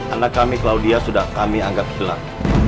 anak kami claudia sudah kami anggap hilang